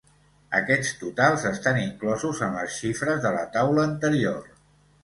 Aquests totals estan inclosos en les xifres de la taula anterior.